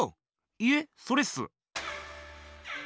いえそれっす。